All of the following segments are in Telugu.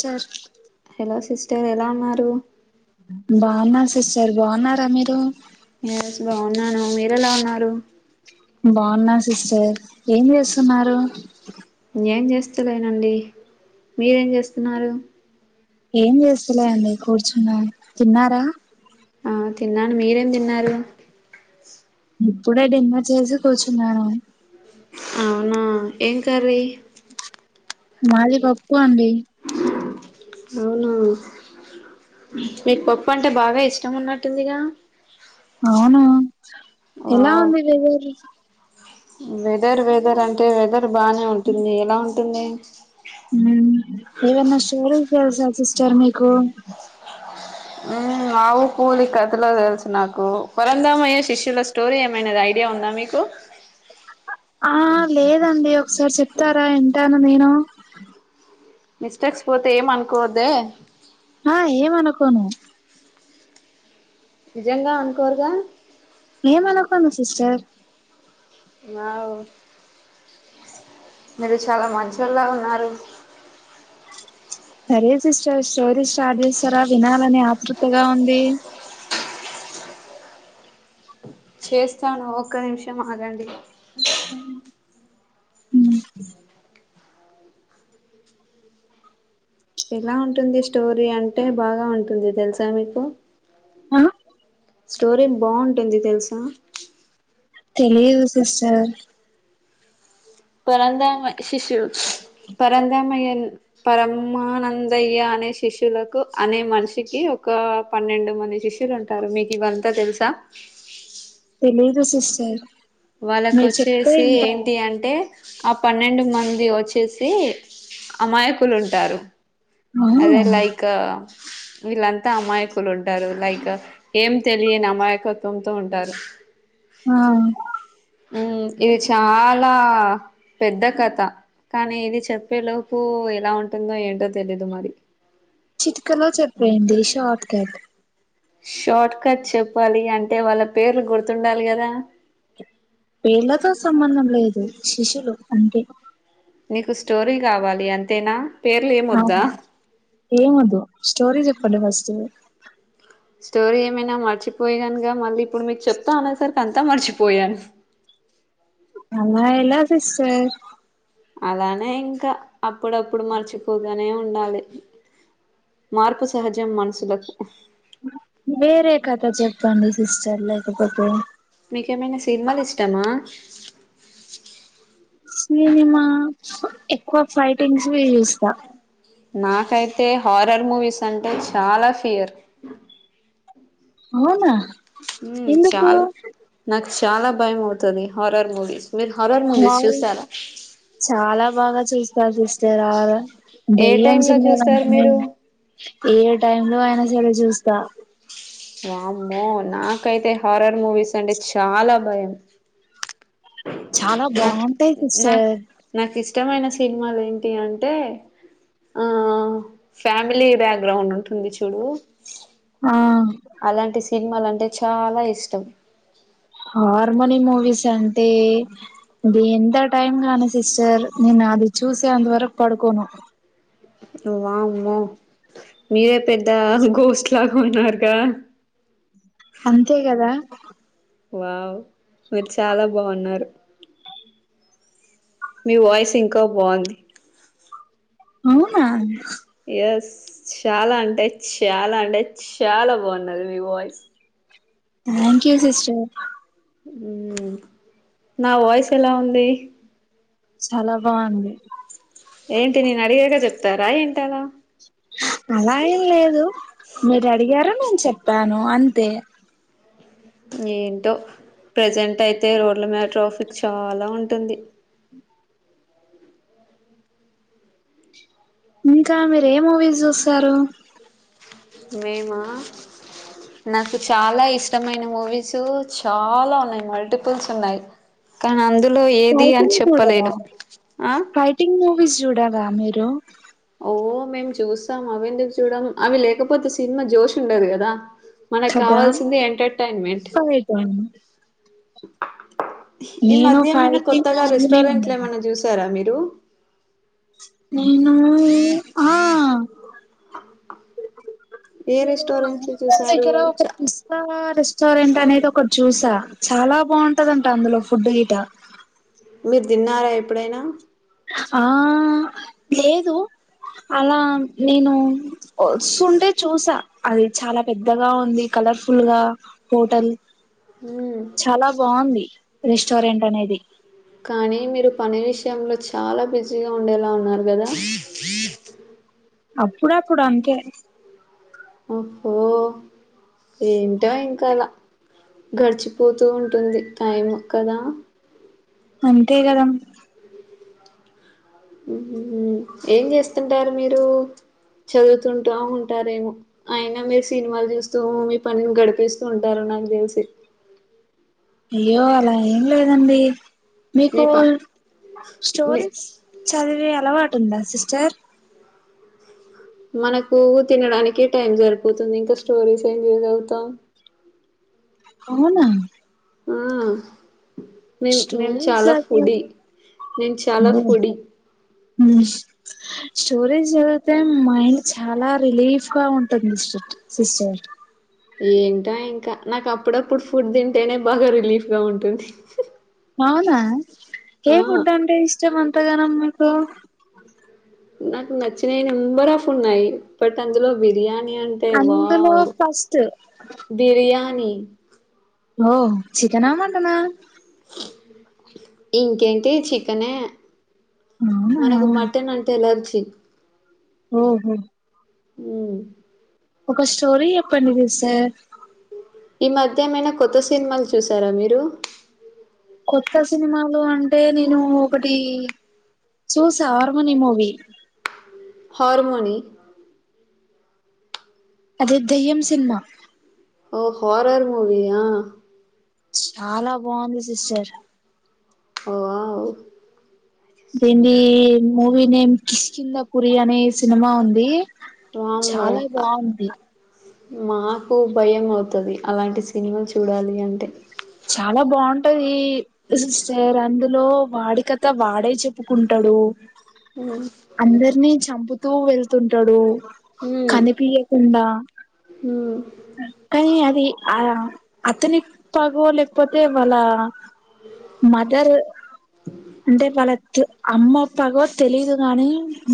సరే హలో సిస్టర్ ఎలా ఉన్నారు బాగున్నాం సిస్టర్ బాగున్నారా మీరు ఎస్ బాగున్నాను మీరెలా ఉన్నారు బాగున్నా సిస్టర్ ఏం చేస్తున్నారు ఏం చేస్తలేనండి మీరేం చేస్తున్నారు ఏం చేస్తలే అండి కూర్చున్న తిన్నారా ఆ తిన్నాను మీరేం తిన్నారు ఇప్పుడే డిన్నర్ చేసి కూర్చున్నాను అవునా ఏం కర్రి మాది పప్పు అండి అవునా మీకు పప్పు అంటే బాగా ఇష్టం ఉన్నట్టుందిగా అవునా ఎలా వావ్ [unintelligible] వెదర్ వెదర్ అంటే వెదర్ బానే ఉంటుంది ఎలా ఉంటుంది మ్మ్ ఏవన్నా స్టోరీ తెల్సా సస్టర్ మీకు మ్మ్ ఆవు, కోడి కథలే తెల్సు నాకు పరందామయ్య శిష్యుల స్టోరి ఏమైన రాయి గే ఉందా మీకు ఆ లేద అండి ఒకసారి చెప్తారా ఇంటాను నేను మిస్టేక్స్ పోతే ఏమ్ అనుకోవ అద్దే ఆ ఏమ్ అనుకోను నిజంగా అనుకోరుగా ఏమ్ అనుకోను సిస్టర్ వావ్వో తెల్సా లో మంచమ్ లో ఉన్నారు సరే సిస్టర్ స్టోరీ స్టార్ట్ చేస్తారా వినాల అని ఆతృతగా ఉంది చేస్తాను ఒక్క నిమిషం ఆగఅండి మ్మ్. ఎలా ఉంటుంది స్టోరీ అంటే బాగా ఉంటుంది తెలుసా మీకు ఆ స్టోరీ బావుంటు ఉంది తెలుసా తెలిదు సిస్టర్ కోరంతా మై ఇషు ఇషు పరందమయ్య పరమానందయ్య అనే శిష్యులకు అనే మనిషికి ఒక పన్నెండు మంది శిష్యులు ఉంటారు మీకు ఇవ అంతా తెలుసా దేయి వాళ్ళకు వచ్చేసి ఏంటి అంటే ఆ పన్నెండు మంద్ మంది వచ్చేసి అమాయకులు ఉంటారు అదే అవునా లైక్ వీళ్ళ అంతా అమాయకులు ఉంటారు లైక్ ఏమ్ తెలియని అమాయకత్వంతో ఉంటారు ఆ ఉ ఇది చాలా పెద్ద కథ కానీ ఇది చెప్పే లోపు ఎలా ఉంటుందో ఏంటో తెలీదు మరి చిట్కలో చెప్పె యండి షాట్ కట్ షార్ట్ కట్ చెప్పాలి అంటే వాళ్ళ పేరు గుర్తు ఉండాలి కదా పేళ్లతో సంబంధం లేదు శిష్యులు అంటే నీకు స్టోరీ కావాలి అంతేనా పేర్లు ఏమ్ వద్దా ఏమ్ వద్దు స్టోరీ చెప్పఅండి ఫస్ట్ స్టోరీ ఏమైనా మర్చిపోయే నాంక మళ్ళీ ఇప్పుడు మీరు చెప్తా అనేసార్ అంతా మరిచిపోయాను అలా ఎలా సిస్టర్ అలానే ఇంకా అప్పుడు అప్పుడు మర్చిపోతనే ఉండాలి మార్పు సహజం మనుసులకు వేరే కథ చెప్పఅండి సిస్టర్ లేకపోతే మీక్ ఎమైన సినిమలు ఇష్టమా సినిమా ఎక్కువ ఫైటింగ్స్ చూస్తా నాకైతే హారర్ మూవీస్ అంటే చాలా ఫియర్ అవునా మ్ ఎందుకు చాలు నాకు చాలా భయం అవుతుఉంది హారర్ మూవీస్ మీరు హారర్ మా మూవీస్ ఊరు చూస్తారా చాలా బాగా చూస్తారు చూస్తే రా రా ఏ దయ్యం టైమ్ లో సిర్మాల్ చూస్తారు అంటే నే మీరు ఏమి టైమ్ లో అయినా సరే చూస్తా వామ్మో నాకైతే హారర్ మూవీస్ అంటే చాలా భయం చాలా నాకు బావుంటాయి నాకు సిస్టర్ నాకు ఇష్టమైన సినిమాలు ఏంటి అంటే ఆ ఫ్యామిలీ బ్యాక్గ్రౌండ్ ఉంటుఉంది చూడు ఆ అలాంటి సినిమాల అంటే చాలా ఇష్టం మ్ హార్మోనీ మూవీస్ అంటే ఎంత టైమ్ గానీ సిస్టర్ నాది చూస్వాన్ వరక్ పడుకోను వామ్మో మీరే పెద్ద గొస్ట్ లాగ్ ఉన్నారుగా అంతే గదా వావ్ మీర్ చాలా బావున్నారు మీ వాయిస్ ఇంకా బావుంది అవునా ఎస్ చ్యాలా అంటే చ్యాలా అంటే చ్యాలా బావున్నది మీ వాయిస్ యస్ థ్యాంక్యు సిస్టర్ ఉమ్ నా వాయిస్ ఎలా ఉంది? చాలా బావుంది ఏంటి నెన్ అడిగాక చెప్తారా ఏంటలా అలా ఏం లేదు మీరడిగారు నేన్ చెప్పాను అంతే ఏంటో ప్రజెంటయితే రోడ్ల మీద ట్రాఫిక్ చాలా ఉంటుంది ఇంకా మీరేం మూవీస్ జూస్తారు? మేమా నాకు చాలా ఇష్టమైన మూవీసూ చాలా ఉన్నాయి మల్టిపుల్స్ ఉన్నాయి. కనన్దురు ఫైటింగ్ చూడరా, ఆ ఫైటింగ్ మూవీస్ చూడరా మీరు? ఓ మేము చూస్తాం అవెందుకు చూడము అవి లేకపోతే సినిమా జోష్ ఉండదు గదా కదా మనక్కావాల్సింది ఎంటర్టన్మెంట్ ఫైటింగ్ ఈ నేను మధ్యేమైనా ఫైటింగ్ కొత్తగా ఆర్మీ రెస్టారెంట్లు ఉన్నాను ఏమన్న చూసారా మీరు నేనూ ఆ ఆ ఆ నేను అమ్ [unintelligible] దగ్గరా ఒక చ- పిస్తా రెస్ రెస్టారెంట్ అనేది ఒకటి చూసా, చాలా బాగుంటదంట అందులో ఫుడ్ గిట్ట మీర్ దిన్నారా ఎప్పుడైనా? ఆ లేదు అలా నేను ఒస్తుంటే చూసా, అది చాలా పెద్దగా ఉంది కల్ లర్ఫుల్ గా హోటల్ మ్మ్ చాలా బాగుంది రెస్టారెంట్ అనేది కానీ మీరు పని విషయంలో చాలా బిజీగా ఉండేలా ఉన్నారు గదా చ్ చ్ అప్పుడప్పుడు అంతే ఒ హో ఎంటో ఇంకలా గడిచిపోతూ ఉంటుంది టైం కదా అంతే గదా ఉమ్ హు, ఏం జేస్తుంటారు మీరు? చదువుతుంటా ఉంటారేమో అయినా మీర్ సినిమాలు జూస్తూ మీ పనిని గడిపేస్తూ ఉంటారన్ నాకు దెల్సి అయ్యో అలా ఏం లేదండి మీ మీకు ప మీ స్టోరీస్ చదివే అలవాటుందా సిస్టర్? మనకు తినడానికే టైం జరిపోతుంది ఇంక స్టోరీస్ ఏం చదువుతాం ఒహో అవునా ఆ మేం మేం స్టోరీస్ చాలా చదివి ఫుడ్డి, నేన్ చాలా ఫుడ్డి ఉమ్ స్టోరీస్ జదివితే మైండ్ చాలా రిలీఫ్ గా ఉంటది మిస్టర్ సిస్టర్ ఏంటో ఇంకా నాకప్పుడప్పుడు ఫుడ్ తింటేనే బాగా రిలీఫ్ గా ఉంటుంది. అవునా, ఏ ఆ ఫుడ్ అంటే ఇష్టం అంతగనం మీకు? నాకు నచ్చిన నెంబర్ ఆఫ్ ఉన్నాయి బట్ అందులో బిర్యానీ బిర్యానిఅంటే అందులో వావ్ ఫస్ట్ బిర్యానీ ఓ చికెనా మటనా ఇంకేంటి చికెనే అవునా మనకు మటన్ అంటే ఎలర్జీ హహ హ ఒక స్టోరి ఏప్పడిది సార్ ఈ మధ్యమైనా కొత్త సినిమాలు చూసారా మీరు కొత్త సినిమాలు అంటే నేను ఒకటి చూసా ఆర్మని మూవీ హార్మోని అదే దయ్యం సినిమా ఓ హారర్ మూవీ ఆ చాలా బాగుంది సిస్టర్ వావ్ దీని మూవీ నేమ్ కిస్కింద పరి అనే సినిమా ఉంది వామ్మో చాలా బాగుంది మాకు భయం అవుతుది అలాంటి సినిమాలు చూడాలి అంటే చాలా బాగుంటది సిస్టర్ అందులో వాడి కథ వాడే చెప్పుకుంటాడు మ్మ్. అందరినీ చంపుతూ వెళ్తుంటాడు మ్మ్. కనిపియకుండా మ్మ్. కానీ అది ఆ అతని పగవ లేకపోతే వాళ్ళ మదర్ అంటే వాళత్ అమ్మ పగో తెలిదు గాని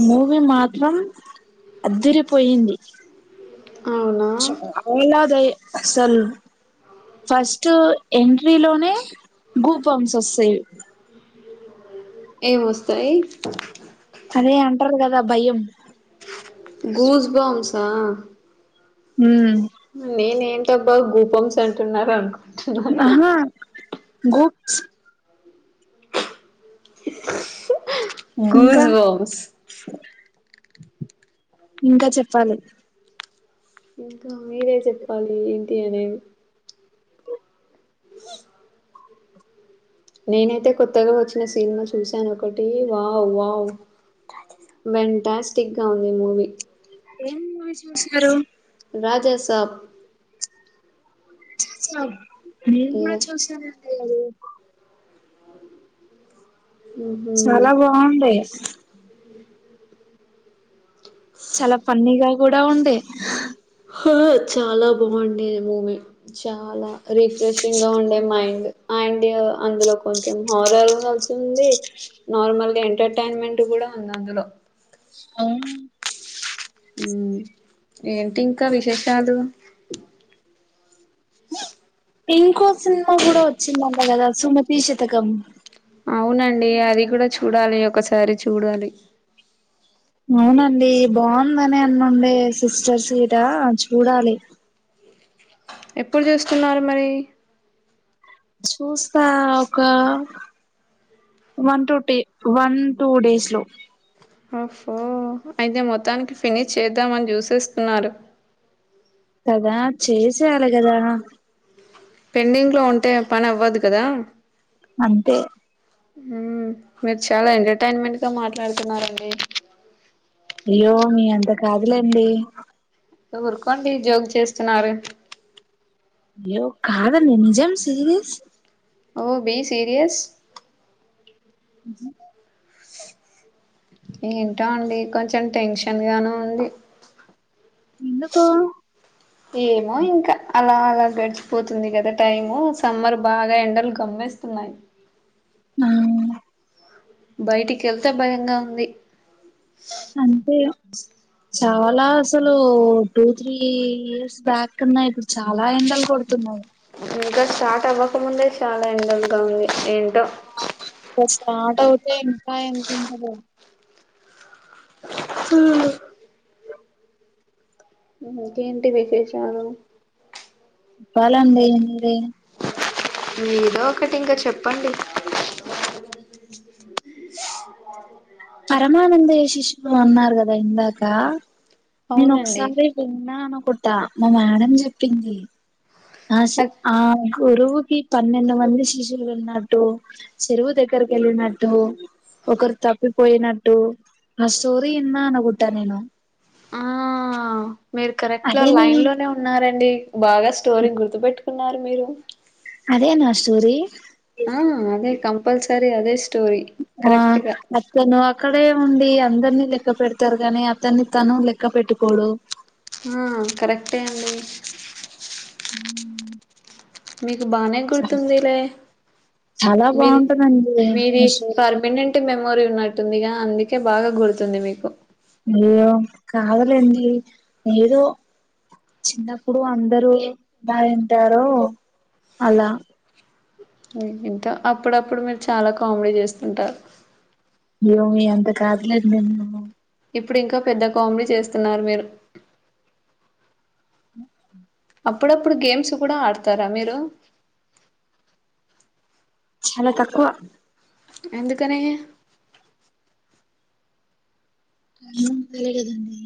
మూవీ మాత్రం అదిర పోయింది అవునా చాలా అసలు ఫస్ట్ ఎంట్రీ లోనే గూస్ బమ్స్ ఏ మస్త ఏయి అదే అంటారు కదా భయం గూస్ బామ్సా హ్మ్మ్ నేనే ఏంటబ్ బా గూపమ్స్ అంటున్నారు అనుకుంటున్నాను ఆహా గూప్స్ గుూజ ఇంకా బంస్ ఇంకా చెప్పాలి ఇంకా మీరే చెప్పాలి ఏంటి అనే అ నేనైతే కొత్తగా వచ్చిన సినిమా చూశాను ఒకటి వావ్ వావ్ వెంటాస్టిక్ గా ఉంది మూవీ ఏం చూసారు రాజసప్ నేను కూడా చూసానుదు చాలా బాగుండయి చాలా పన్నగా కూడా ఉండే చాలా బాగుండేది మూమిీ చాలా రిఫ్రెష్ ము్యంగా ఉండే మాండ్ ఆండ్ అందులో కొంచెం హోరర్ల్సి ఉంది నార్మల్ గా ఎంటర్టైన్మెంట్ కూడా ఉంది అందులో అవును ఏంటి ఇంకా విశేషాలు ఇంకో సినిమా కూడా వచ్చిందంటా కదా సుమతి శతకం అవునండి అది కూడా చూడాలి ఒకసారి చూడాలి అవునండి బాగుందనే అన్నుండే సిస్టర్ సీటా చూడాలి ఎప్పుడు చూస్తున్నారు మరి చూస్తా ఒక వన్ టూ టి వన్ టూ డేస్ లో ఓఫో అయితే మొత్తానికి ఫినిష్ చేద్దామని చూసేస్తున్నారు కదా చేసేయాలె కదా పెండింగ్ లో ఉంటే పనవ్వదు కదా అంతే హు మీరు చాలా ఎంటర్టైన్మెంట్ గా మాట్లాడుతున్నారండి అయ్యో మీ అంత కాదులేండి ఊరుకోండి జోక్ చేస్తున్నారు యో కదండి నిజం సీరియస్ ఓ బి సీరియస్ ఏంటో అండి కొంచెం టెన్షన్ గాను ఉంది ఎందుకు ఏమో ఇంకా అలా లా గడిచిపోతుంది కదా టైము సమ్మర్ బాగా ఎండలు కమేస్తున్నాయి ఆ బయటికేళ్తే భయంగా ఉంది అంతే చాలా అసలు టూ త్రీ ఇయర్స్ బ్యాక్ కన్నా ఇప్పుడు చాలా ఎండలు కొడుతున్నాయి ఇంకా స్టార్ట్ అవ్వకముందే చాలా ఎండల్గా ఉంది ఏంటో ఆ ఇంకా స్టార్ట్ అవుతే ఇంకా ఎంతుంటదో హ్ ఇంకేంటి విశేషాలు ప్పాలండి మీరే మీదో ఒకటి ఇంక చెప్పండి పరామానందయ్య శిశులు అన్నారు కదా ఇందాకా నేను అవునండి ఒకసారి విన్నా అనుకుంటా మా మ్యాడమ్ చెప్పింది ఆ షి అద్ ఆ గురువుకి పన్నెండు మంది శిష్యులు ఉన్నట్టు చెరువు దగ్గరికేళ్ళినట్టు ఒకరు తప్పిపోయినట్టు ఆ స్టోరీ ఇన్నా అనుకుంటా నేను ఆ మీరు కరెక్ట్ ల అదేని లైన్ లోనే ఉన్నారండి బాగా స్టోరీ గుర్తు పెట్టుకున్నారు మీరు అదేనా స్టోరీ ఆ అదే కంపల్సరి అదే స్ ఆ అక్క నో అక్ అక్కడే ఉండి అందరినీ లెక్క పెడతారు గానీ అతన్ని తను లెక్క పెట్టుకోడు ఆ కరెక్టే అండి హ్ మీకు బానే గుర్తుందిలే చాలా మీది బాగుంటదండి మీది అసలు పర్మినెంట్ మేమ్ మోరి ఉన్నట్టుందిగా అందుకే బాగా గుర్తుంది మీకు అయ్యో కాదులేండి ఏదో చిన్నప్పుడు అందరు ఎలా వింటారో అలా ఇంట అప్పుడప్పుడు మీరు చాలా కామెడీ చేస్తుంటారు అ అంత కాదులెండి మేము ఇప్పుడు ఇంక పెద్ద కామెడీ చేస్తున్నారు మీరు అ అప్పుడప్పుడు గేమ్స్ కూడ ఆడతార మీరు చాల తక్కువ ఎందుకనీ ఎం లేదండి